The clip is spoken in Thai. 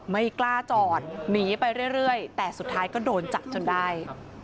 ไม่กล้าจอดหนีไปเรื่อยแต่สุดท้ายก็โดนจับจนได้